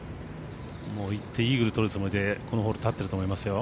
もう行ってイーグル取るつもりでこのホール立ってると思いますよ。